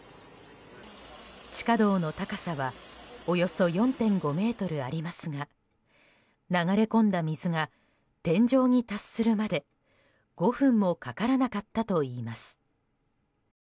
地下道の高さはおよそ４．５ｍありますが流れ込んだ水が天井に達するまで５分もかからなかったといいます。